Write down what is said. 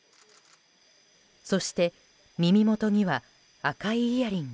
そして耳元には赤いイヤリング。